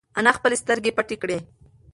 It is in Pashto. انا خپلې سترگې پټې کړې.